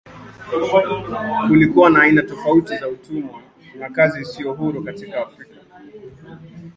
Kulikuwa na aina tofauti za utumwa na kazi isiyo huru katika Afrika.